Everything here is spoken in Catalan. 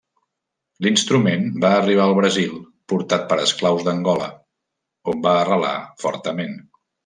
L'instrument va arribar al Brasil portat pels esclaus d'Angola, on va arrelar fortament.